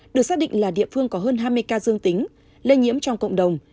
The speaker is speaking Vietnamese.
được xác định là địa phương có hơn hai mươi ca dương tính lây nhiễm trong cộng đồng